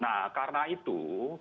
nah karena itu